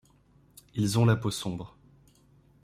Ils ont la peau sombre.